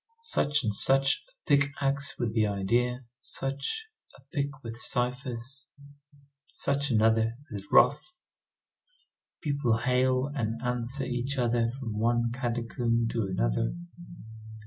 Such and such a pick axe with the idea, such a pick with ciphers. Such another with wrath. People hail and answer each other from one catacomb to another.